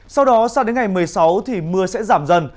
sau đó sang đến ngày một mươi sáu thì mưa sẽ giảm dần